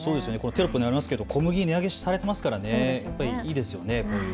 テロップにありますが小麦値上げされていますからいいですよね。